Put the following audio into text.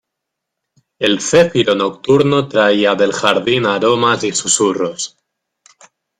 el céfiro nocturno traía del jardín aromas y susurros :